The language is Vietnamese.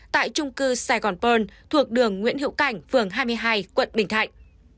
tại trung cư saigon pearl thuộc đường nguyễn hữu cảnh phường hai mươi hai quận bình thạnh